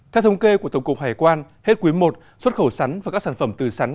theo thống kê của tổng cục hải quan hết quý i xuất khẩu sắn và các sản phẩm từ sắn